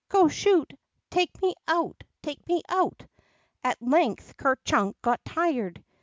Co shoot ! Take me out ! Take m:e out !'' At length Ker Chunk got tired.